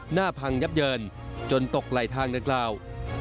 พังยับเยินจนตกไหลทางดังกล่าว